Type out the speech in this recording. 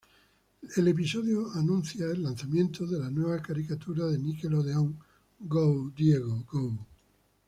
El episodio anuncia el lanzamiento de la nueva caricatura de Nickelodeon, Go, Diego, Go!